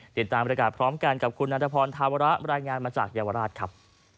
ติดตามบริการพร้อมกันกับคุณนันทพรธาวระรายงานมาจากเยาวราชครับ